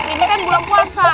ini kan bulan puasa